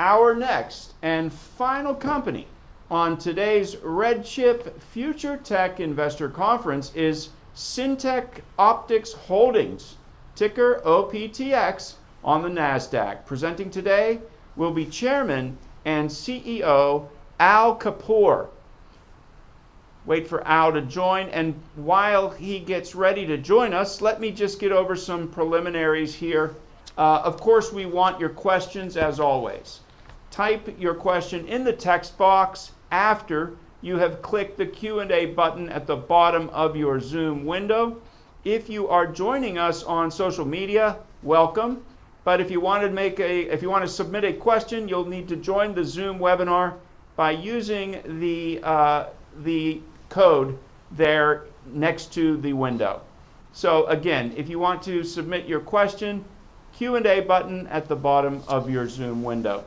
Our next and final company on today's RedChip Future Tech Investor Conference is Syntec Optics Holdings, ticker OPTX on the Nasdaq. Presenting today will be Chairman and CEO, Al Kapoor. Wait for Al to join. While he gets ready to join us, let me just get over some preliminaries here. Of course, we want your questions, as always. Type your question in the text box after you have clicked the Q&A button at the bottom of your Zoom window. If you are joining us on social media, welcome. If you want to submit a question, you'll need to join the Zoom webinar by using the code there next to the window. Again, if you want to submit your question, Q&A button at the bottom of your Zoom window.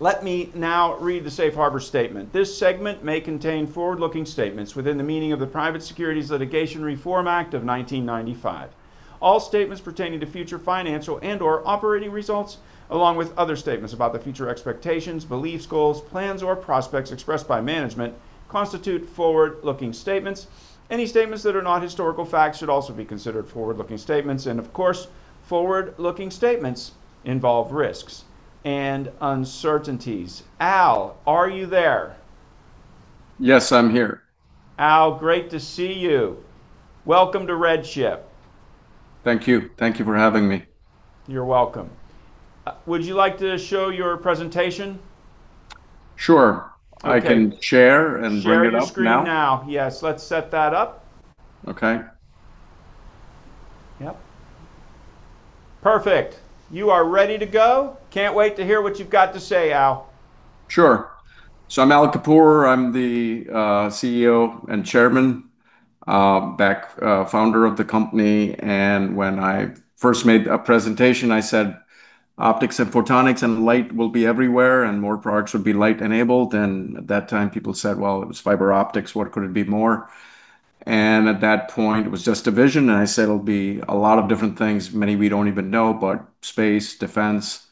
Let me now read the safe harbor statement. This segment may contain forward-looking statements within the meaning of the Private Securities Litigation Reform Act of 1995. All statements pertaining to future financial and/or operating results, along with other statements about the future expectations, beliefs, goals, plans, or prospects expressed by management, constitute forward-looking statements. Any statements that are not historical facts should also be considered forward-looking statements. Of course, forward-looking statements involve risks and uncertainties. Al, are you there? Yes, I'm here. Al, great to see you. Welcome to RedChip. Thank you. Thank you for having me. You're welcome. Would you like to show your presentation? Sure. Okay. I can share and bring it up now. Share your screen now. Yes, let's set that up. Okay. Yep. Perfect. You are ready to go. Can't wait to hear what you've got to say, Al. Sure. I'm Al Kapoor. I'm the CEO and chairman, founder of the company. When I first made a presentation, I said, Optics and photonics and light will be everywhere, and more products would be light-enabled. At that time, people said, Well, it was fiber optics. What could it be more? At that point, it was just a vision. I said, It'll be a lot of different things. Many we don't even know, but space, defense,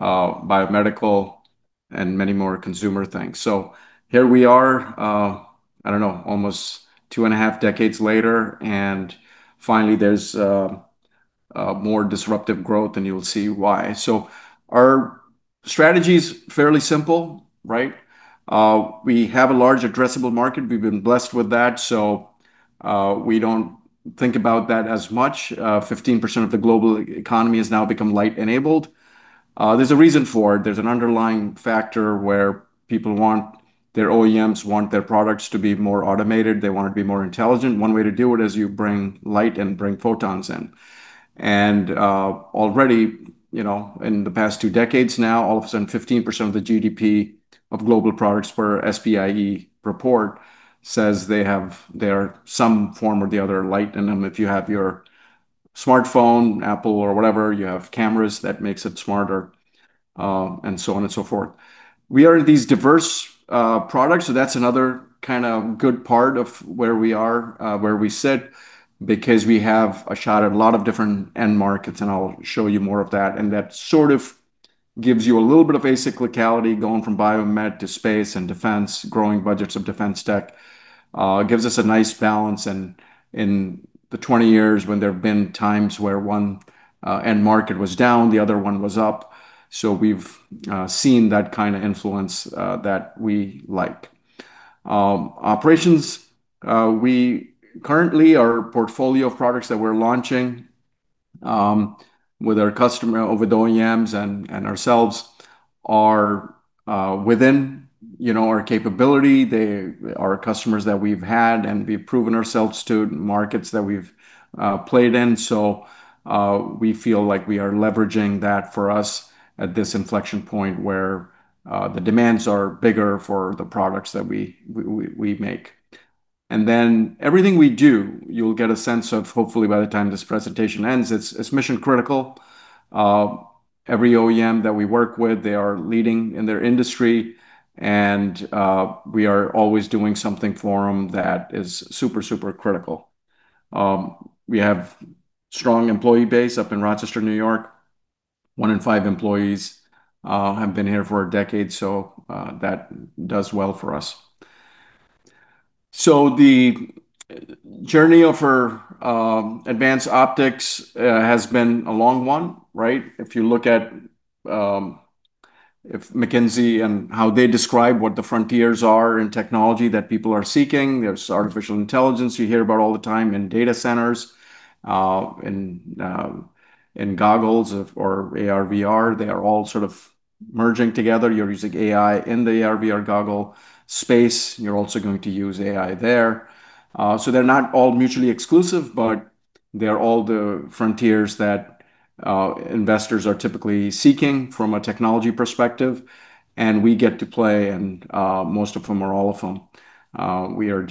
biomedical, and many more consumer things. Here we are, I don't know, almost two and a half decades later, and finally, there's more disruptive growth, and you'll see why. Our strategy's fairly simple, right? We have a large addressable market. We've been blessed with that, so we don't think about that as much. 15% of the global economy has now become light-enabled. There's a reason for it. There's an underlying factor where people want, their OEMs want their products to be more automated. They want to be more intelligent. One way to do it is you bring light and bring photons in. Already, in the past two decades now, all of a sudden, 15% of the GDP of global products, per SPIE report, says they are some form or the other light in them. If you have your smartphone, Apple or whatever, you have cameras that makes it smarter, and so on and so forth. We are these diverse products, so that's another kind of good part of where we are, where we sit, because we have a shot at a lot of different end markets, and I'll show you more of that. That sort of gives you a little bit of a cyclicality going from biomed to space and defense, growing budgets of defense tech. It gives us a nice balance. In the 20 years, when there have been times where one end market was down, the other one was up. We've seen that kind of influence that we like. Operations. We currently, our portfolio of products that we're launching, with our customer, with OEMs and ourselves, are within our capability. They are customers that we've had, and we've proven ourselves to markets that we've played in. We feel like we are leveraging that for us at this inflection point where the demands are bigger for the products that we make. Everything we do, you'll get a sense of, hopefully, by the time this presentation ends. It's mission-critical. Every OEM that we work with, they are leading in their industry, and we are always doing something for them that is super critically. We have strong employee base up in Rochester, N.Y. One in five employees have been here for a decade, so that does well for us. The journey of our advanced optics has been a long one, right? If you look at McKinsey and how they describe what the frontiers are in technology that people are seeking, there's artificial intelligence you hear about all the time in data centers, in goggles or AR/VR. They are all sort of merging together. You're using AI in the AR/VR goggle space. You're also going to use AI there. They're not all mutually exclusive, they're all the frontiers that investors are typically seeking from a technology perspective, we get to play in most of them, or all of them. We are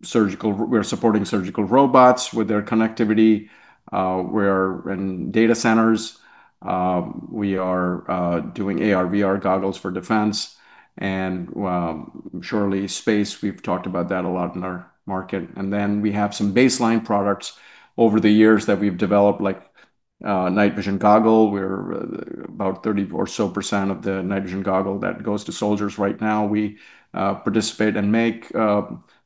supporting surgical robots with their connectivity. We're in data centers. We are doing AR/VR goggles for defense, and surely space. We've talked about that a lot in our market. We have some baseline products over the years that we've developed, like night-vision goggle, where about 30% or so of the night-vision goggle that goes to soldiers right now, we participate and make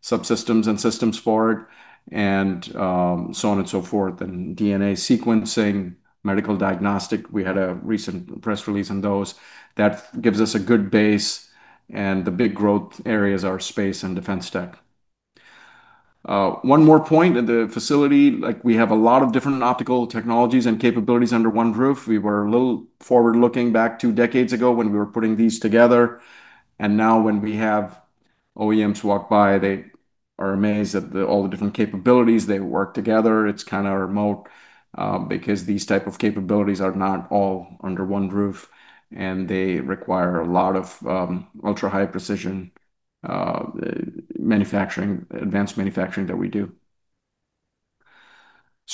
subsystems and systems for it, and so on and so forth. DNA sequencing, medical diagnostic, we had a recent press release on those. That gives us a good base, and the big growth areas are space and defense tech. One more point, at the facility, we have a lot of different optical technologies and capabilities under one roof. We were a little forward-looking back two decades ago when we were putting these together. Now when we have OEMs walk by, they are amazed at all the different capabilities. They work together. It's kind of remote, because these type of capabilities are not all under one roof, and they require a lot of ultra-high precision advanced manufacturing that we do.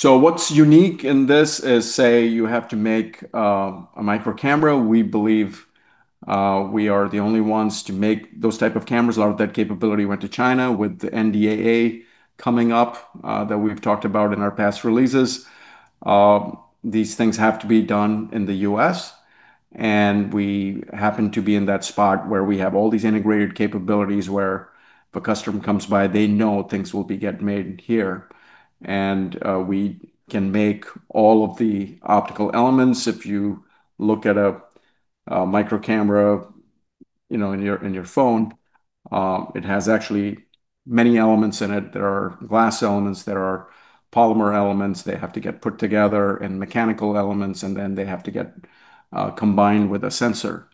What's unique in this is, say, you have to make a micro camera. We believe we are the only ones to make those type of cameras. A lot of that capability went to China. With the NDAA coming up that we've talked about in our past releases, these things have to be done in the U.S., we happen to be in that spot where we have all these integrated capabilities, where if a customer comes by, they know things will get made here. We can make all of the optical elements. If you look at a micro camera in your phone, it has actually many elements in it. There are glass elements, there are polymer elements. They have to get put together, mechanical elements, they have to get combined with a sensor.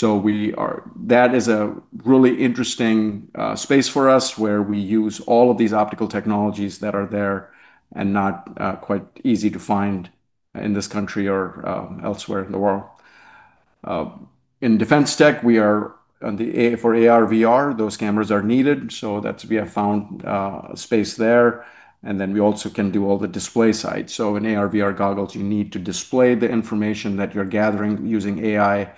That is a really interesting space for us, where we use all of these optical technologies that are there and not quite easy to find in this country or elsewhere in the world. In defense tech, for AR/VR, those cameras are needed. We have found a space there, we also can do all the display side. In AR/VR goggles, you need to display the information that you're gathering using AI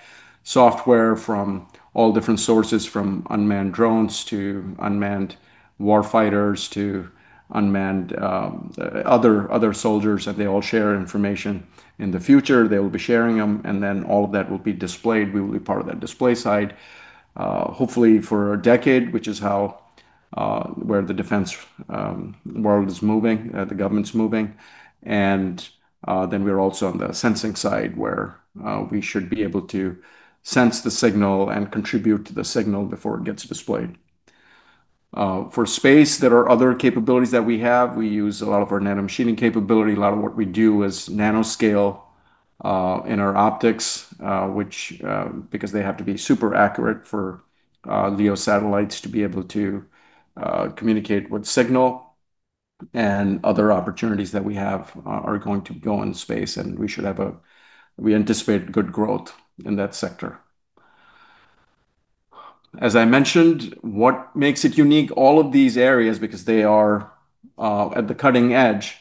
software from all different sources, from unmanned drones to unmanned warfighters to unmanned other soldiers, that they all share information. In the future, they will be sharing them, all of that will be displayed. We will be part of that display side, hopefully for a decade, which is where the defense world is moving, the government's moving. We're also on the sensing side, where we should be able to sense the signal and contribute to the signal before it gets displayed. For space, there are other capabilities that we have. We use a lot of our nano-machining capability. A lot of what we do is nanoscale in our optics, because they have to be super accurate for LEO satellites to be able to communicate with signal, and other opportunities that we have are going to go in space. We anticipate good growth in that sector. As I mentioned, what makes it unique, all of these areas, because they are at the cutting edge,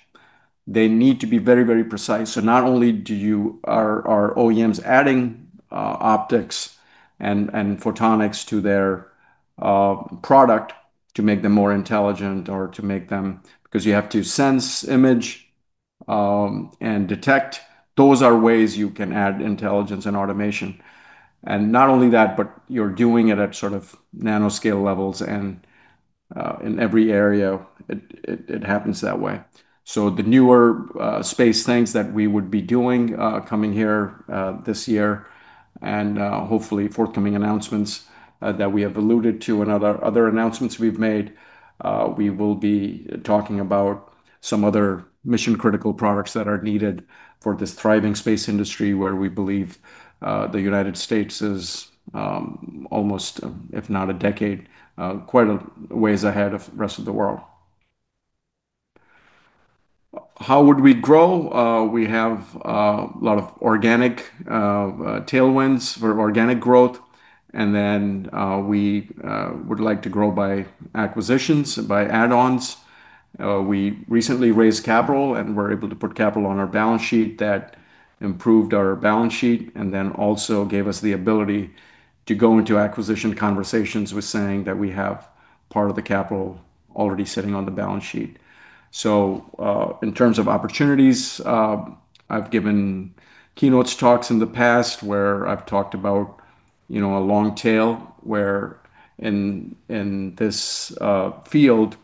they need to be very precise. Not only are OEMs adding optics and photonics to their product to make them more intelligent or to make them. Because you have to sense, image, and detect. Those are ways you can add intelligence and automation. Not only that, but you're doing it at sort of nanoscale levels and in every area, it happens that way. The newer space things that we would be doing coming here this year and hopefully forthcoming announcements that we have alluded to in other announcements we've made, we will be talking about some other mission-critical products that are needed for this thriving space industry, where we believe the United States is almost, if not a decade, quite a ways ahead of the rest of the world. How would we grow? We have a lot of organic tailwinds for organic growth, we would like to grow by acquisitions and by add-ons. We recently raised capital and were able to put capital on our balance sheet. That improved our balance sheet also gave us the ability to go into acquisition conversations with saying that we have part of the capital already sitting on the balance sheet. In terms of opportunities, I've given keynote talks in the past where I've talked about a long tail, where in this field,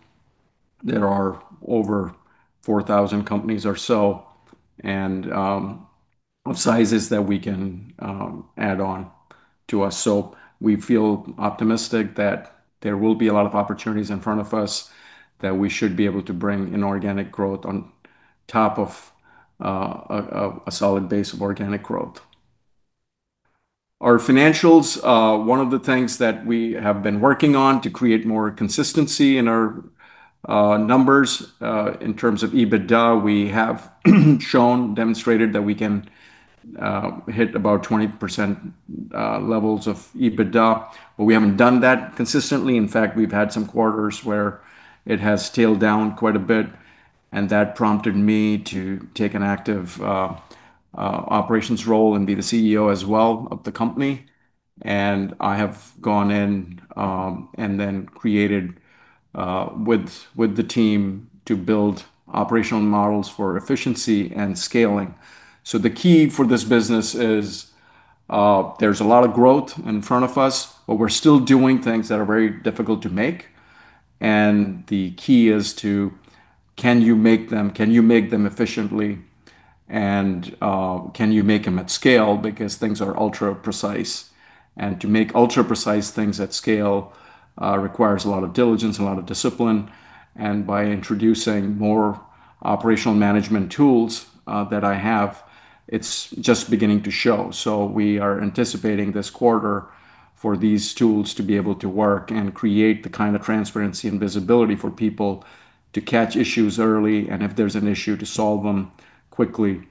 there are over 4,000 companies or so and of sizes that we can add on to us. We feel optimistic that there will be a lot of opportunities in front of us that we should be able to bring in organic growth on top of a solid base of organic growth. Our financials, one of the things that we have been working on to create more consistency in our numbers. In terms of EBITDA, we have shown, demonstrated, that we can hit about 20% levels of EBITDA. We haven't done that consistently. In fact, we've had some quarters where it has tailed down quite a bit. That prompted me to take an active operations role and be the CEO as well of the company. I have gone in, then created with the team to build operational models for efficiency and scaling. The key for this business is there's a lot of growth in front of us, but we're still doing things that are very difficult to make. The key is to can you make them efficiently and can you make them at scale? Because things are ultra-precise, and to make ultra-precise things at scale requires a lot of diligence, a lot of discipline. By introducing more operational management tools that I have, it's just beginning to show. We are anticipating this quarter for these tools to be able to work and create the kind of transparency and visibility for people to catch issues early, and if there's an issue, to solve them quickly.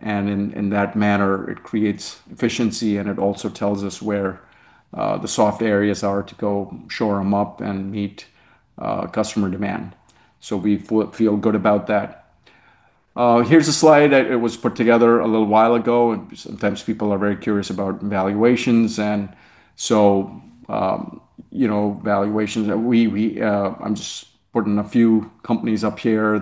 In that manner, it creates efficiency and it also tells us where the soft areas are to go shore them up and meet customer demand. We feel good about that. Here's a slide that was put together a little while ago. Sometimes people are very curious about valuations. Valuations that I'm just putting a few companies up here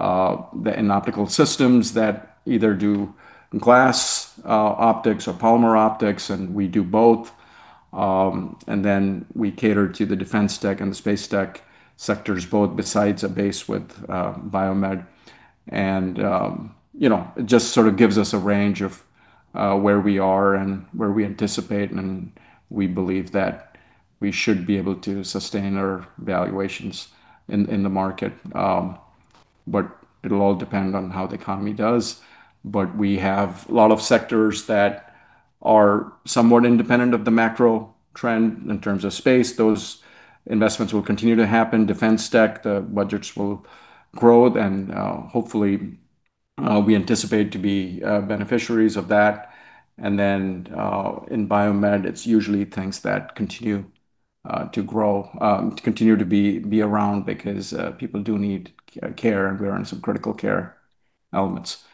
in optical systems that either do glass optics or polymer optics, and we do both. Then we cater to the defense tech and the space tech sectors both, besides a base with biomed. It just sort of gives us a range of where we are and where we anticipate, and we believe that we should be able to sustain our valuations in the market. It'll all depend on how the economy does. We have a lot of sectors that are somewhat independent of the macro trend. In terms of space, those investments will continue to happen. Defense tech, the budgets will grow, hopefully we anticipate to be beneficiaries of that. Then in biomed, it's usually things that continue to grow, continue to be around because people do need care, and we are in some critical care elements.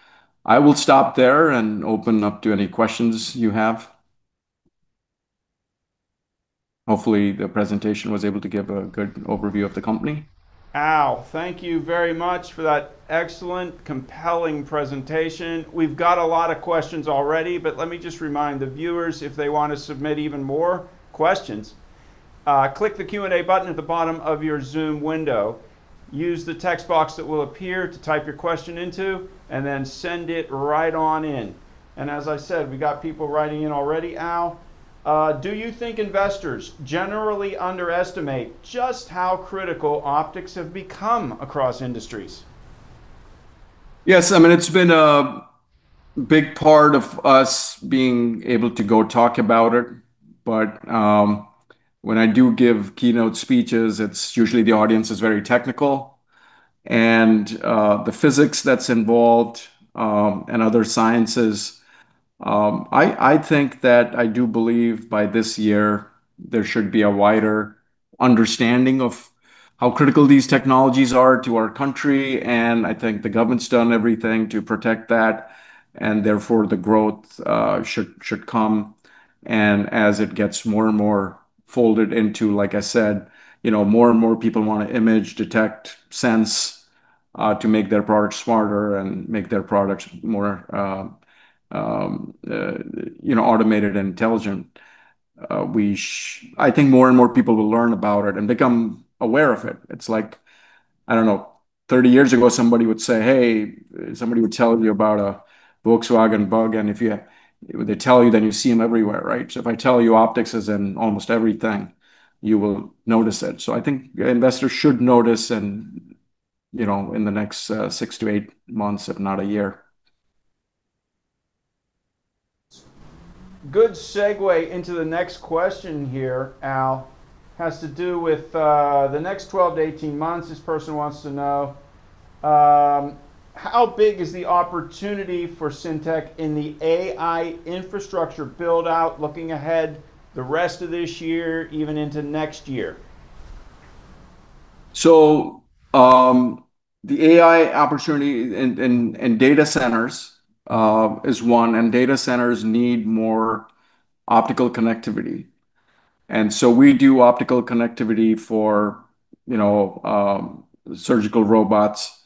I will stop there and open up to any questions you have. Hopefully the presentation was able to give a good overview of the company. Al, thank you very much for that excellent, compelling presentation. We've got a lot of questions already, let me just remind the viewers if they want to submit even more questions, click the Q&A button at the bottom of your Zoom window. Use the text box that will appear to type your question into, then send it right on in. As I said, we've got people writing in already. Al, do you think investors generally underestimate just how critical optics have become across industries? Yes. It's been a big part of us being able to go talk about it. When I do give keynote speeches, it's usually the audience is very technical and the physics that's involved, and other sciences. I think that I do believe by this year, there should be a wider understanding of how critical these technologies are to our country, and I think the government's done everything to protect that, and therefore the growth should come. As it gets more and more folded into, like I said, more and more people want to image, detect, sense to make their products smarter and make their products more automated and intelligent. I think more and more people will learn about it and become aware of it. It's like, I don't know, 30 years ago, somebody would say, hey, somebody would tell you about a Volkswagen Beetle, and if they tell you, then you see them everywhere, right? If I tell you optics is in almost everything, you will notice it. I think investors should notice in the next six to eight months, if not a year. Good segue into the next question here, Al. Has to do with the next 12-18 months. This person wants to know, how big is the opportunity for Syntec in the AI infrastructure build out looking ahead the rest of this year, even into next year? The AI opportunity and data centers is one, and data centers need more optical connectivity. We do optical connectivity for surgical robots,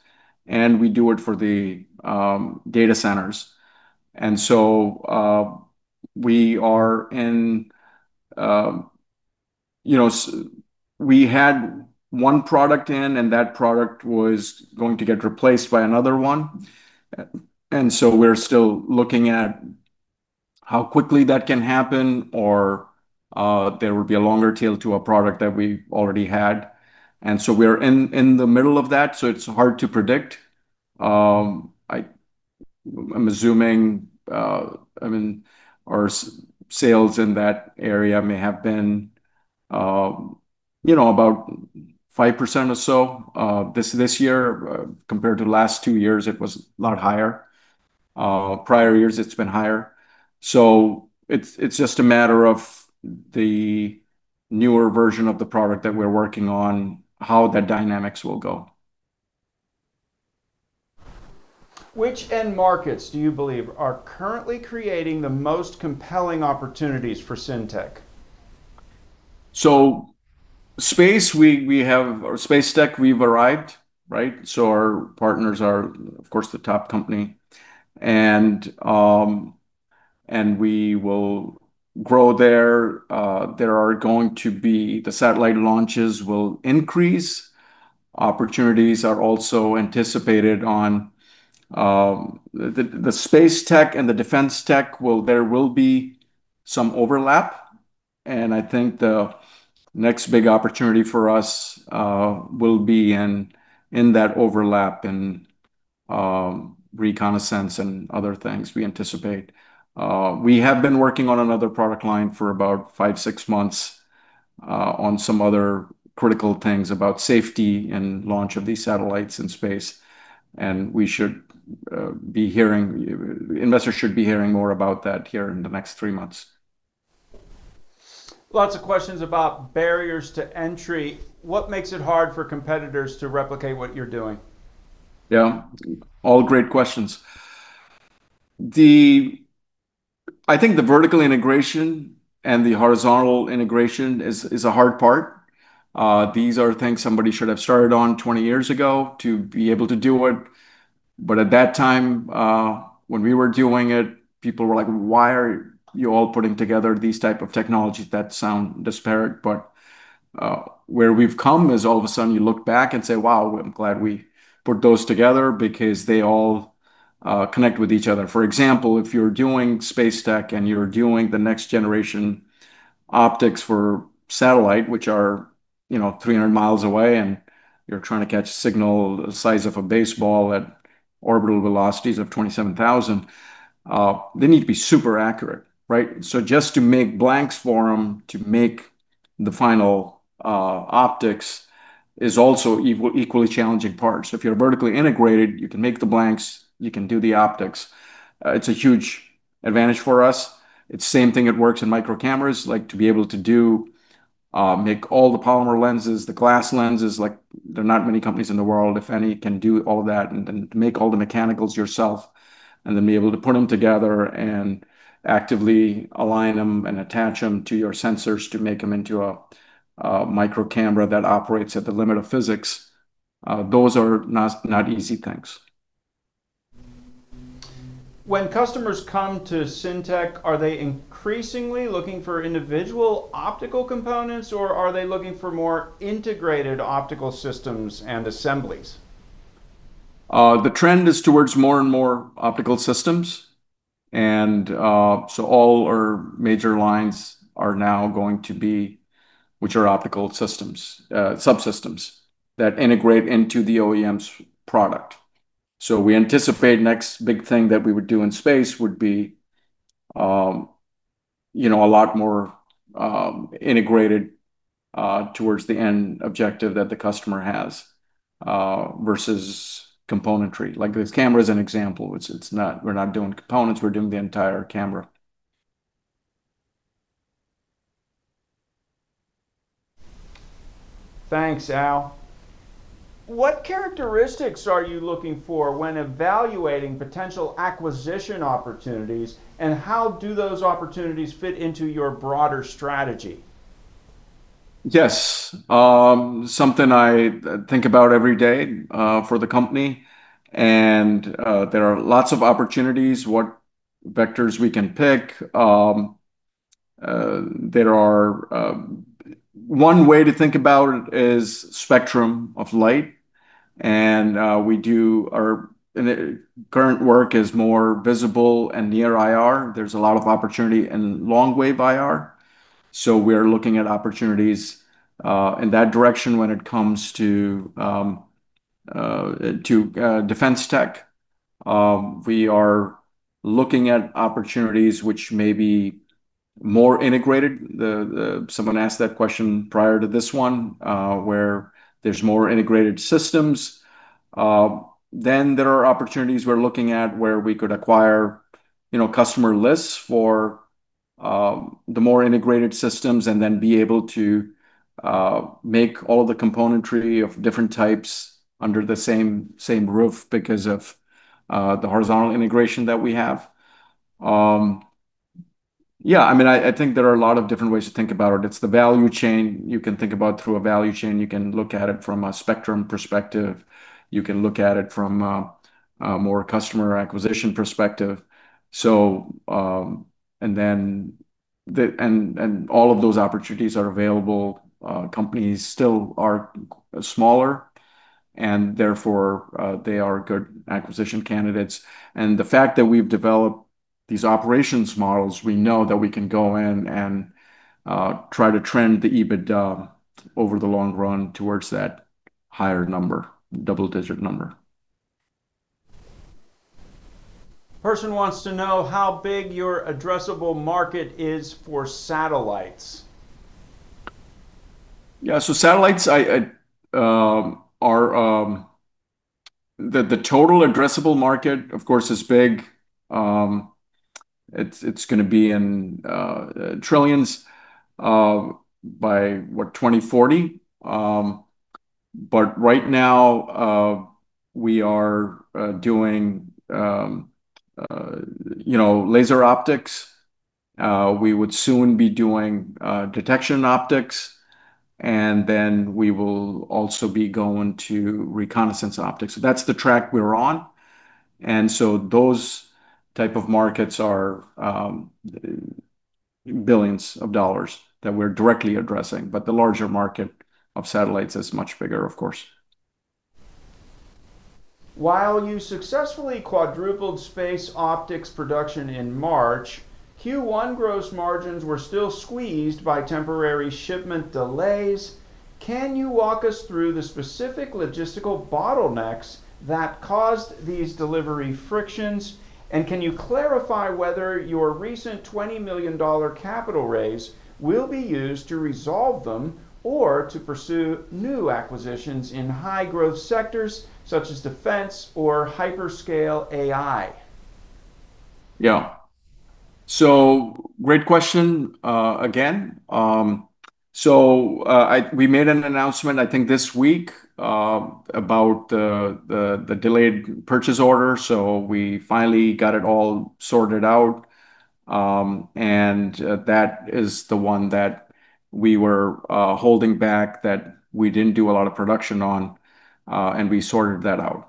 and we do it for the data centers. We had one product in, and that product was going to get replaced by another one. We're still looking at how quickly that can happen, or there will be a longer tail to a product that we already had. We're in the middle of that, so it's hard to predict. I'm assuming our sales in that area may have been about 5% or so this year. Compared to the last two years, it was a lot higher. Prior years, it's been higher. It's just a matter of the newer version of the product that we're working on, how the dynamics will go Which end markets do you believe are currently creating the most compelling opportunities for Syntec? Space tech, we've arrived, right? Our partners are, of course, the top company, and we will grow there. The satellite launches will increase. Opportunities are also anticipated on the space tech and the defense tech. There will be some overlap, and I think the next big opportunity for us will be in that overlap in reconnaissance and other things we anticipate. We have been working on another product line for about five, six months on some other critical things about safety and launch of these satellites in space, and investors should be hearing more about that here in the next three months. Lots of questions about barriers to entry. What makes it hard for competitors to replicate what you're doing? Yeah. All great questions. I think the vertical integration and the horizontal integration is a hard part. These are things somebody should have started on 20 years ago to be able to do it, but at that time, when we were doing it, people were like, Why are you all putting together these type of technologies that sound disparate? But where we've come is all of a sudden you look back and say, Wow, I'm glad we put those together, because they all connect with each other. For example, if you're doing space tech and you're doing the next generation optics for satellite, which are 300 miles away, and you're trying to catch a signal the size of a baseball at orbital velocities of 27,000, they need to be super accurate, right? Just to make blanks for them to make the final optics is also equally challenging parts. If you're vertically integrated, you can make the blanks, you can do the optics. It's a huge advantage for us. It's the same thing that works in micro cameras, to be able to make all the polymer lenses, the glass lenses. There are not many companies in the world, if any, can do all that and make all the mechanicals yourself, and then be able to put them together and actively align them and attach them to your sensors to make them into a micro camera that operates at the limit of physics. Those are not easy things. When customers come to Syntec, are they increasingly looking for individual optical components, or are they looking for more integrated optical systems and assemblies? The trend is towards more and more optical systems, and so all our major lines are now going to be, which are optical subsystems that integrate into the OEM's product. We anticipate next big thing that we would do in space would be a lot more integrated towards the end objective that the customer has, versus componentry. Like this camera as an example. We're not doing components, we're doing the entire camera. Thanks, Al. What characteristics are you looking for when evaluating potential acquisition opportunities, and how do those opportunities fit into your broader strategy? Yes. Something I think about every day for the company, and there are lots of opportunities, what vectors we can pick. One way to think about it is spectrum of light, and our current work is more visible and near IR. There's a lot of opportunity in long-wave IR, so we're looking at opportunities in that direction when it comes to defense tech. We are looking at opportunities which may be more integrated. Someone asked that question prior to this one, where there's more integrated systems. There are opportunities we're looking at where we could acquire customer lists for the more integrated systems, and then be able to make all the componentry of different types under the same roof because of the horizontal integration that we have. I think there are a lot of different ways to think about it. It's the value chain. You can think about through a value chain. You can look at it from a spectrum perspective. You can look at it from a more customer acquisition perspective. All of those opportunities are available. Companies still are smaller, and therefore, they are good acquisition candidates. The fact that we've developed these operations models, we know that we can go in and try to trend the EBITDA over the long run towards that higher number, double-digit number. Person wants to know how big your addressable market is for satellites. Satellites, the total addressable market, of course, is big. It's going to be in trillions by, what, 2040? Right now we are doing laser optics. We would soon be doing detection optics, and then we will also be going to reconnaissance optics. That's the track we're on. Those type of markets are billions dollars that we're directly addressing, but the larger market of satellites is much bigger, of course. While you successfully quadrupled space optics production in March, Q1 gross margins were still squeezed by temporary shipment delays. Can you walk us through the specific logistical bottlenecks that caused these delivery frictions? Can you clarify whether your recent $20 million capital raise will be used to resolve them or to pursue new acquisitions in high growth sectors such as defense or hyperscale AI? Yeah. Great question, again. We made an announcement, I think, this week, about the delayed purchase order, we finally got it all sorted out. That is the one that we were holding back, that we didn't do a lot of production on, and we sorted that out.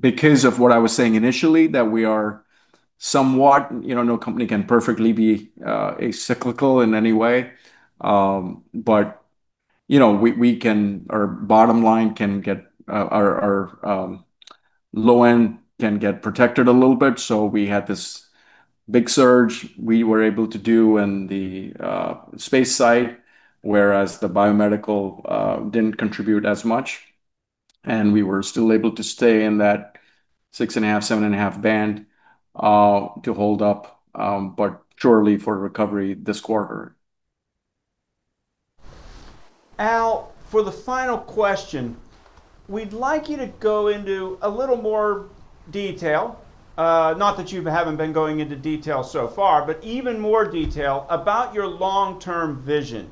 Because of what I was saying initially, that we are somewhat no company can perfectly be as cyclical in any way. But our bottom line, our low end can get protected a little bit. We had this big surge we were able to do in the space side, whereas the biomedical didn't contribute as much, and we were still able to stay in that six and a half, seven and a half band, to hold up, but surely for recovery this quarter. Al, for the final question, we'd like you to go into a little more detail, not that you haven't been going into detail so far, but even more detail about your long-term vision.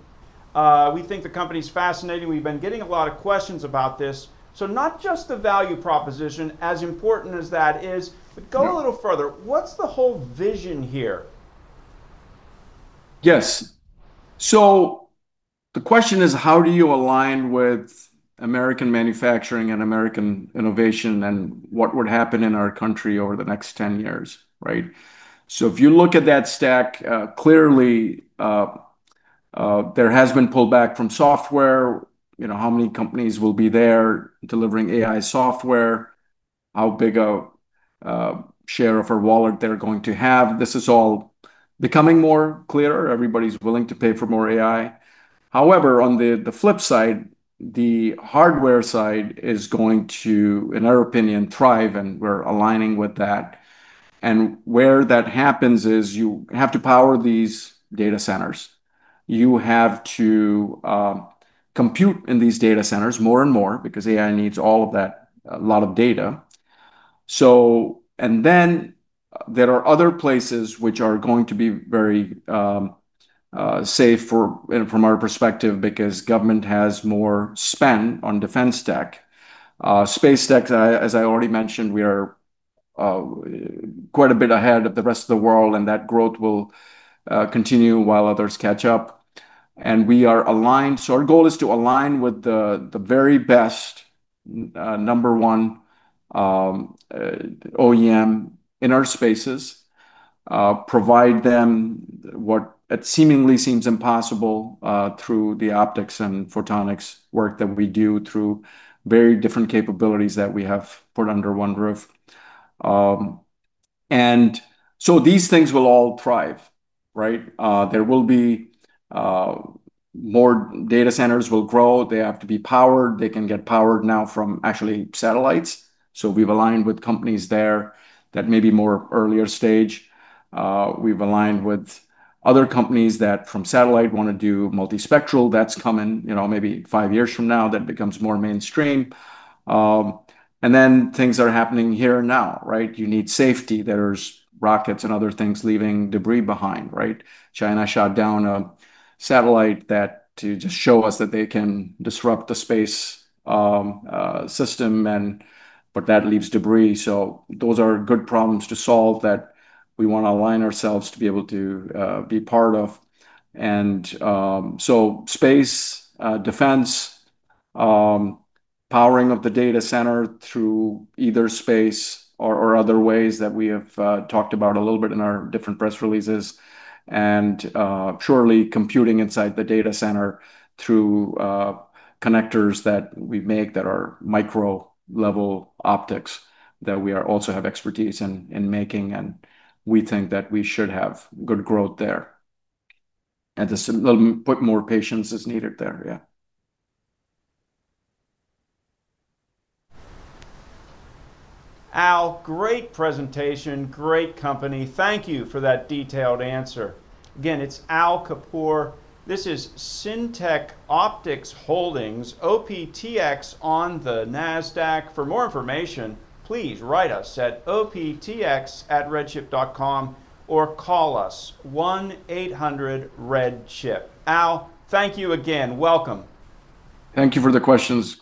We think the company's fascinating. We've been getting a lot of questions about this. Not just the value proposition, as important as that is. Yeah Go a little further. What's the whole vision here? Yes. The question is: How do you align with American manufacturing and American innovation, and what would happen in our country over the next 10 years? If you look at that stack, clearly, there has been pullback from software. How many companies will be there delivering AI software? How big a share of our wallet they're going to have? This is all becoming clearer. Everybody's willing to pay for more AI. However, on the flip side, the hardware side is going to, in our opinion, thrive, and we're aligning with that. Where that happens is you have to power these data centers. You have to compute in these data centers more and more because AI needs all of that, a lot of data. There are other places which are going to be very safe from our perspective, because government has more spend on defense tech. Space tech, as I already mentioned, we are quite a bit ahead of the rest of the world, and that growth will continue while others catch up. We are aligned. Our goal is to align with the very best, number one OEM in our spaces. Provide them what seemingly seems impossible, through the optics and photonics work that we do through very different capabilities that we have put under one roof. These things will all thrive, right? More data centers will grow. They have to be powered. They can get powered now from actually satellites. We've aligned with companies there that may be more earlier stage. We've aligned with other companies that from satellite want to do multispectral. That's coming maybe five years from now, that becomes more mainstream. Things that are happening here now, right? You need safety. There's rockets and other things leaving debris behind, right? China shot down a satellite to just show us that they can disrupt the space system, but that leaves debris. Those are good problems to solve that we want to align ourselves to be able to be part of. Space, defense, powering of the data center through either space or other ways that we have talked about a little bit in our different press releases and, surely computing inside the data center through connectors that we make that are micro-level optics that we also have expertise in making, and we think that we should have good growth there. Put more patience is needed there. Al, great presentation, great company. Thank you for that detailed answer. Again, it's Al Kapoor. This is Syntec Optics Holdings, OPTX on the Nasdaq. For more information, please write us at optx@redchip.com or call us one eight hundred REDCHIP. Al, thank you again. Welcome. Thank you for the questions.